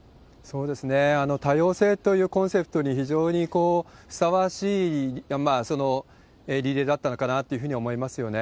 多様性というコンセプトに非常にふさわしいリレーだったのかなというふうに思いますよね。